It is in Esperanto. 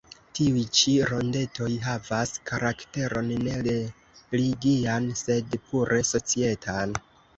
Tiuj ĉi rondetoj havas karakteron ne religian, sed pure societan.